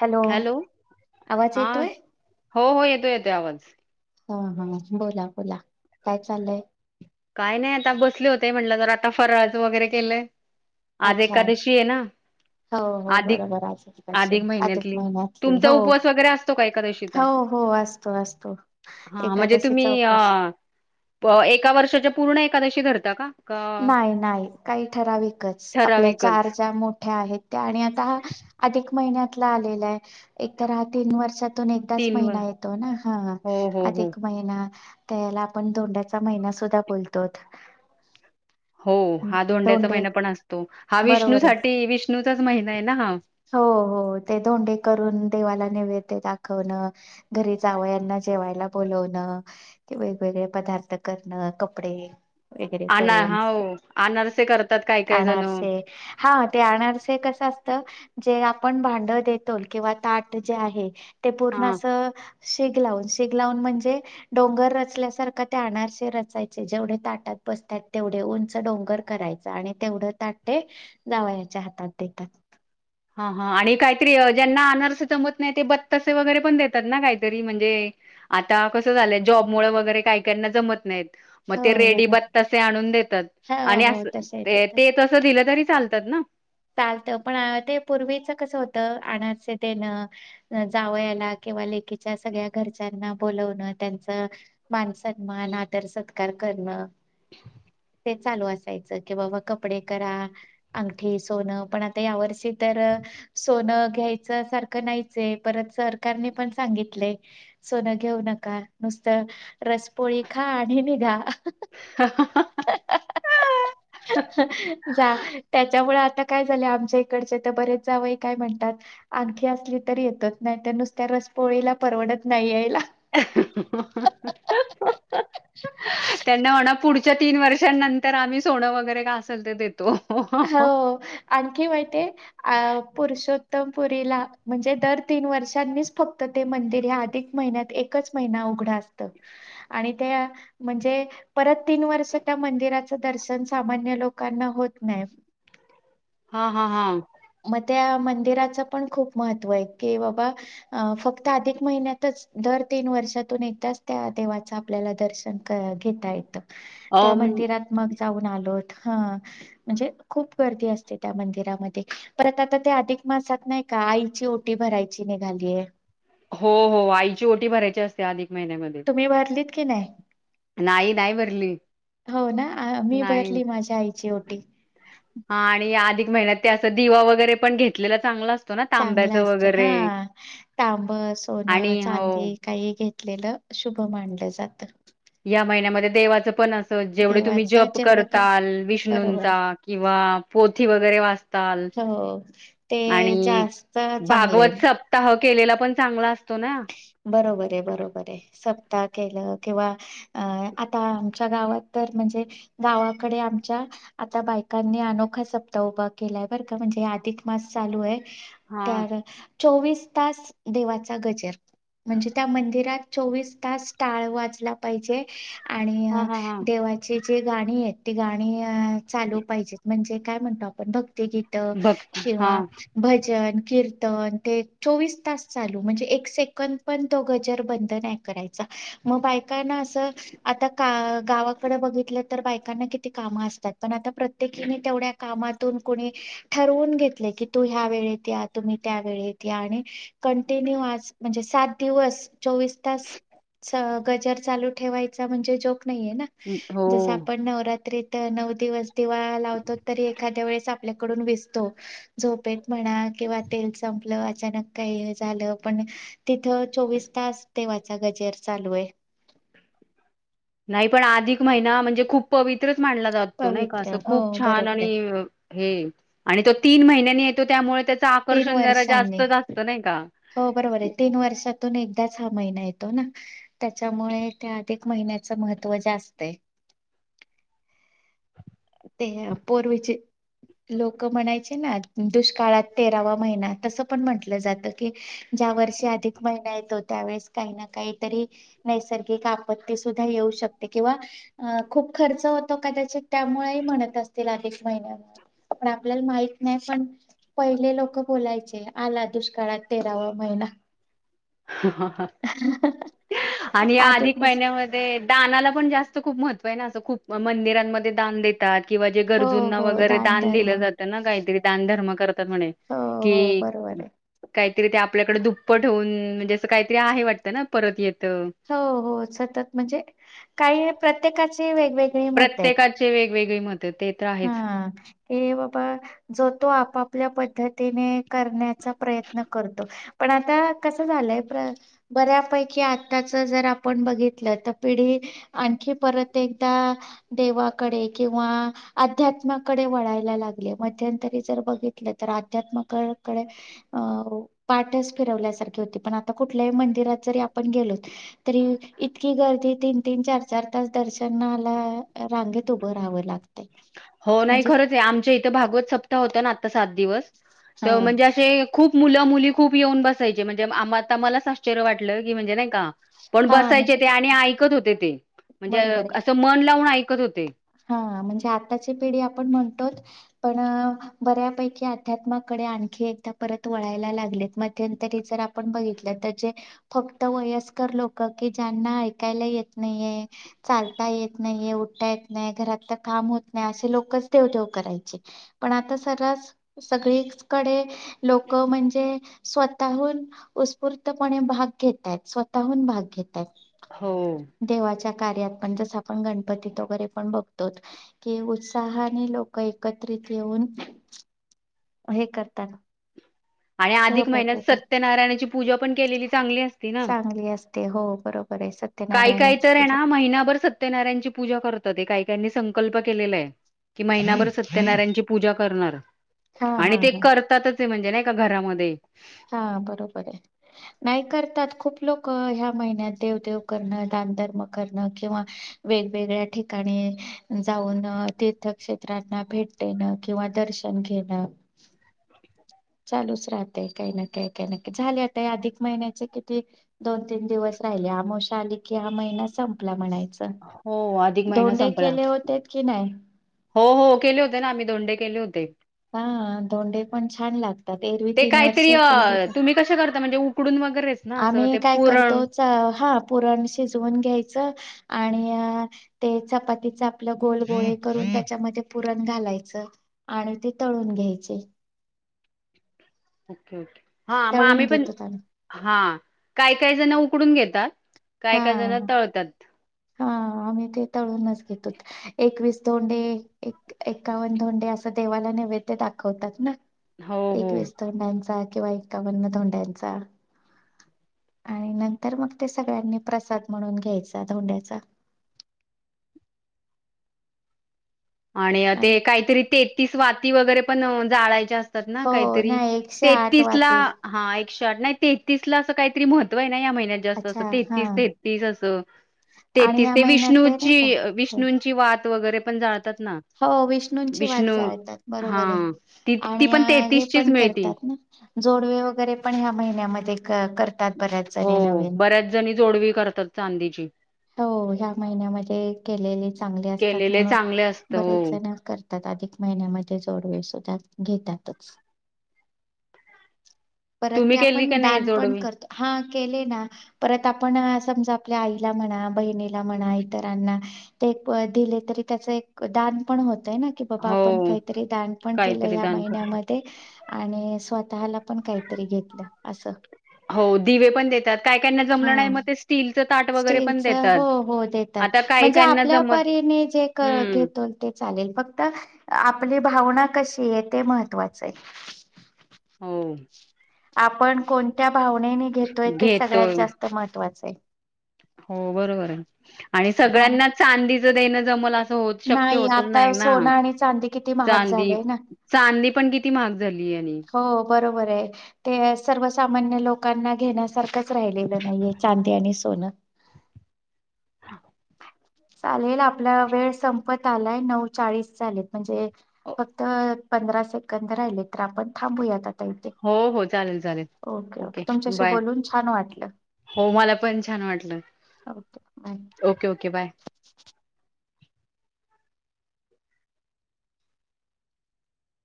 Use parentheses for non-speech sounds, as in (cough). Hello आवाज हा येतोय. हो हो येतो येतो आवाज. हा हा बोला बोला काय चाललंय. काय नाही आता बसले होते म्हटलं तर आता फराज वगैरे केलेय. आज अच्छा एकादशी आहे ना हो हो अधिक बरोबर आजच कसे अधिक अधिक महिन्यातली महिन्यातली तुमचा हो उपवास वगैरे असतो का एकादशीचा हो हो असतो असतो हा म्हणजे तुम्ही एकादशीचा उपवास अ एका वर्षा. तु नई एकादशी धरत. नाही नाही काही ठराविकच आपल्या चार ठराविकच चार मोठ मोठ्या आहेत. ते आणि आता अधिक महिन्यातला आलेलाय. एक तर हा तीन वर्षातून एकदाच तीन व महिना येतो ना हा हो हो हो अधिक महिना त्या-याला आपण दोंडाचा महिना सुद्धा बोलतोतं. हो हा दोंड्याचा महिना पण असतो. हा विष्णू बरोबर आहे साठी विष्णूचा महिना आहे ना हा. हो हो ते धोंडे करून. देवाला नैवद्य दाखवणं. घरी जावयाना. जेवायला बोलवणं. ते वेगवेगळे पदार्थ करणं कपडे वगैरे अना करून हा हो अनारसे करतात काय काय जण अनारसे.. हा ते अनारसे कसं असं. तर जे आपण भांड देतो किंवा ताट जे आहे. ते पूर्ण हा असं शिग लावून शिग लावून म्हणजे डोंगर रचल्यासारखा ते आनारसे रचायचे जेवढे ताटात बसतात तेवढे उंच डोंगर करायच आणि तेवढं ताटे जावयाच्या हातात देतात. हा हा आणि काहीतरी ज्यांना आनारसे जमत नाही ते बत्तासे वगैरे पण देतात ना काहीतरी म्हणजे आता कसं झालंय जॉब मुळ वगैरे काही काही ना जमत नाहीत. मग हो ते रेडी बरोबर बत्तासे आणून देतात हो आणि हो तसं आहे तिथं असं-ते तसं दिलं तरी चालतात ना. चालतं पण आ.. ते पूर्वीच कस होत अनारसे देणं, जावयाला किंवा लेकीच्या सगळ्या घरच्यांना बोलवणं, त्यांच मान सन्मान आदर सत्कार करणं, ते चालू असायचं की बाबा कपडे करा अंगठी. सोनं पण आता यावर्षी तर सोनं घ्यायचं सारखं नाहीच, परत सरकारने पण सांगितले सोनं घेऊ नका नुसतं रसपोळी खा आणि निघा. (inaudible) जा त्याच्यामुळे आता काय झाले आमच्या इकडचे तर बरेच जावंय काय म्हणतात आणखी असली तरी येतच नाही तर नुसत्या रस पोळीला परवडत नाही यायला (inaudible) त्यांना म्हणा पुढच्या तीन वर्षांनंतर आम्ही सोनं वगैरे काय असेल ते देतो. हो आणखी माहिती आहे.. अ पुरुषो (unintelligible) पुरी म्हणजे दर तीन वर्षांनीच फक्त ते मंदिर अधिक महिन्यात एकच महिना उघड असत आणि त्या-आ म्हणजे परत तीन वर्ष त्या मंदिरात दर्शन सामान्य लोकांना. होत नाही. हा हा हा मग त्या मंदिराचं पण खूप महत्त्व आहे, की बाबा फक्त अधिक महिन्यातच दर तीन वर्षातून एकदाच त्या देवाचं आपल्याला दर्शन क-घेता येतं. त्या अ म्हण मंदिरात मग जाऊन आलोतं म्हणजे खूप गर्दी असते. त्या मंदिरामध्ये परत आता ते अधिक मासात नाही का आईची ओटी भरायची निघालीय. हो हो आईची ओटी भरायची असते अधिक- महिन्यामध्ये. तुम्ही भरलीत की नाही? नाही नाही भरली हो ना मी अ नाही भरली माझ्या आईची ओटी (inaudible) हा आणि अधिक महिन्यात ते असं दिवा वगैरे पण घेतलेला चांगला असत चांगलं असत हा तांब आणि सोनं हो चांदी काही घेत आपलेलं शुभ मानलं जात. या महिन्यामध्ये देवाचं पण अस, जेवढे तुम्ही देवाचं जप जेवढं क- करताल बरोबर विष्णूंचा किंवा पोथी वगैरे वाचताल हो ते आणि जास्त चांगलंय भागवत सप्ताह केलेला पण चांगला असतो ना, बरोबर आहे बरोबर आहे सप्ता केलं. किंवा अ आता आमच्या गावात तर म्हणजे गावाकडे आमच्या आता बायकांनी अनोखा सप्ताह उभा केलाय बरं का म्हणजे अधिक मास चालू आहे. - हा. तर चोवीस तास- देवाचा गजेर म्हणजे त्या मंदिरात चोवीस तास टाळ वाचला पाहिजे, आणि हा अं हा हा देवाची ज गाणी आहेत तेी गाणी अं चालू पाहिजेत म्हणजे काय म्हणतो आपण बघ गीत भक्त हा किंवा भजन कीर्, ते चोवीस तास चालू म्हणजे एक पण पण तो गजर बंद नाही करायचा मग बायकांना असं आता का गावाकडे बघितलं तर बायकांना किती काम असतात पण आता प्रत्येकीने तेवढ्या कामातून कोणी ठरवून घेतले की तू ह्या वेळेत या तुम्ही त्या वेळेत या आणि कंटिन्यू आज म्हणजे सात दिवस चोवीस तास--सब गजर चालू ठेवायचा म्हणजे जो नहीये ना हो जस आपण नवरात्रीत नऊ दिवस तेव्हा लावतो तरी एखा्या वेळेस आपल्याकडून विसतो झोप म्हणा किंवा तेल संपलं अचानक काही हे झालं पण तिथं चोवीस तास देवाचा गजेर चालू आहे नाही पण अधिक महिना म्हणजे खूप पवित्र ला जात तो नाही का अस पवित्र हो खूप छान बरोबर आणि आहे हे आणि त तीन महिन्यांनी येतो त्यामुळे त्या तीन आकर्षण जरा वर्षांनी जास्तच असतं नाही का हो बरोबर आहे तीन वर्षातून एकदाच हा महिना आहे येतो ना त्याच्यामुळे त्या अधिक महिन्याच महत्व जास्तय ते (unintelligible) पूर्वीचे लोकं म्हणायचे ना दुष्काळात तेरावा महिना तसं पण म्हंटलं जातं कि ज्या वर्षी अधिक महिना येतो त्यावेेळेस काही ना काहीतरी नैसर्गिक आपत्ती सुद्धा येऊ शकते किंवा खूप खर्च होतो कदाचित त्यामुळेही म्हणत असतील अधिक महिन्या पण आपल्याला माह नाही पण पहिले लोक बोलायचे आला दुष्काळात तेरावा महिना ह हा आणि या अधिक महिन्यामध्ये दानाला पण जास्त खूप महत्व ना असं खूप मंदिरांमध्ये दान देतात किंवा जे हो गरजूंना हो वगैरे दान दानधर्म दिलं जातं ना काहीतरी दान धर्मक म्ह हो हो क बरोबर आहे. का (unintelligible) त ते आपल्याकडे दुप्प ठेवून म्हणजे असं काहीतरी आहे वाटतं ना परत येत हो हो सतत म्हणजे काही प्रत प्रत्येकाचे वेगवेगळी मत हा हे बाबा जतो आपआप (inaudible) आपल्या पद्धतीने करण्याचा प्रयत्न करतो पण आता कसं झालंय बऱ्यापैकी आताच जर आपण बघितलं तर पिढी आणखी परत एकदा देवाकडे किंवा अध्यात्माकडे वळायला लागले मध्यंतरी जर बघितलं तर अध्यात्मकाकडे अ पाठच फिरवल्यासारखी होती पण आता कुठल्याही मंदिरात जरी आपण गेलो तरी इतकी गर्दी तीन तीन चार चार तास दर्शनाला रांगेत उभं राहावं लागत हो नाही खरंच आहे आमच्या इथे भागवत सप्ताह होता ना आता सात दिवस हा तर म्हणजे असे खूप मुलं मुली खूप येऊन बसायची म्हणजे आम्हा आता मला आश्चर्य वाटलं की म्हणजे नाही का पण हा बसायचे म्हणजे ते आणि ऐकत होते ते म्हणजे बरोबर आहे असं मन लावून ऐक- कत होते हा म्हणजे आताची पिढी आपण म्हणतोच पण बऱ्यापैकी अध्यात्माकडे आणखी एकदा परत वळायला लागलेत मध्यंतरी जर आपण बघितलं तर जे फक्त वयस्कर लोक कि ज्यांना ऐकायला येत नाहीये चालता येत नाहीये उठय नाही घरात तर काम होत नाही असे लोकच देव देव करायचे पण आता सरास सगळीकडे लोक म्हणजे स्वतःहून उत्स्फूर्तपणे भाग घेतय स्वतःहून भाग घेत हो देवाच्या कार्यात पण जस आपण गणपतीत वरे - ण बघतो की उत्साहाने लोक एकत्रित येऊन हे करताना आणि अधिक महिन्यात सत्यनारायणाची पूजा पण केलेली चांगली असती ना चांगली असते हो बरोबर आहे काही काही सत्यनारायणाची तर आहे पूजा ना महिनाभर सत्यनारायणाची पूजा करत ते काही त्यांनी संकल्प केलेला आहे की महिनाभर सत्यनारायणची पूजा करणार हा आणि हा ते हा करतातच म्हणजे नाही का घरामध्ये हा बरोबर आहे नाही करतात खूप लोक ह्या महिन्यात देवदेव करणं दानधर्म करणं किंवा वेगवेगळ्या ठिकाणी जाऊन तथ क्षेत्रांना भेट देणं किंवा दर्शन घेणं चालूच राहते काही नय काही न झाल्या आता अधिक महिन्याचे किती दोन तीन दिवस राहिले आमवशा आली कि हा महिना संप हो अधिक महिना संपला केले होते की नाही हो हो केले होते ना आम्ही धोंड केले होते. ते हा धोंडे पण छान लागतात एरवी ते तीन वर्ष कोणी करता कुडून मग आम्ही काय करतो च हा पुरण शिजवून घ्यायच आणि अ ते चपात तेच आपलं गोल गोळे करून त्याच्यामध्ये पुरण घालायचं आणि ते तळून घ्यायचे ओके ओके हा म तळून आम्ही पण घेतो आम्ही हा काय काय जण उकडून घेतात काय काय जण हा तळतात. हा आम्ही ते तळूनच घेतोत एकवीस धोंडे एक एकावन्न धोंडे अस देवाला नैवैद्य दाखवतात ना हो हो एकवीस धोन्डांचा किंवा एक्कावन्न धोंडांचा आणि नंतर मग ते सगळ्यांनी प्रसाद म्हणून घ्यायचा धोंड्याचा आणि अ ते काहीतरी ते तीस वाती वगैरे पण अ जाळाय ते असतात ना हो काहीतरी नाही एकशे ते आठ तिथला वाती हा एक ज्या शॉट नाही तेहतीस ला असं काहीतरी महत्व आहे. नाही ह्या महिन्यात जास्त अस अच्छा हा तेतीस, तेतीस अस आणि तेतीस या ते महिन्यात ते नाही का विष्णूची, हो विष्णूंची वात वगैरे पण जाळतात ना हो विष्णूंची वात विष्णू जाळतात हा बरोबर आहे ती ती आणि पण अ हे तेहतीसचीच पण मिळती. करतात ना जोडवे वगैरे पण ह्या महिन्यामध्ये क कर हो बऱ्याच जणी जोडवी करतात. चांदीची हो ह्या महिन्यामध्ये केलेले चांगले असतात केलेले म्हणून चांगले असत बरेच हो. जण कर त्यात अधिक महिन्यामध्ये जोडवेे सुद्धा घेतातच. (inaudible) परत तुम्ही ते केली आपण का नाही दान पण जोडवी करतो हा केले ना. परत आपण समजा आपल्या आईला म्हणा बहिनीला म्हणा इतरांना ते एक प दिले तरी त्याच एक दान पण हो काही ना की बाबा हो आपण काहीतरी दान पण केलय काहीतरी या दान करत. महिन्यामध्ये आणि स्वतःला पण काहीतरी घेतलं असं. हो दिवे पण देतात काय काय ना जमलं नाही हा म ते स्टील स्टीलच हो हो देतात. आता काही म्हणजे काहीना आपल्या जमत परीने जे क हम्म घेतल ते चालेल फक्त आपले भावना कशी आहे ते महत्वाच आहे. हो. आपण कोणत्या भावनेने घेतोय ते सगळ्यात घेतोय जास्त महत्वाचं. ते हो बरोबर आहे. आणि हा सगळ्यांना चांदी देण येन जमल अस. होत शक्य नाही होतच नाही आता ना. सोनं आणि चांदी किती महाग चांदी, झालेय ना चांदी पण किती महाग झाली आहे नि. हो बरोबर आहे ते सर्वसामान्य लोकांना घेण्यासारखंच राहिलेलं नाहीये चांदी आणि सोन. चालेल आपला वेळ संपत आलाय नऊ चाळीस झालेत म्हणजे फक्त पंधरा सेकंद राहिले तर आपण थांबूयात. इथे. हो हो चालेल चालेल ओके तुमच्याशी बाय बोलून छान वाटलं हो मला पण छान वाटलं okay bye. Okay okay okay bye